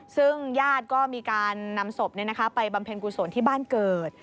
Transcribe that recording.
ซึ่งญาติก็มีการนำศพไปบำเพ็ญกุศลที่บ้านเกิด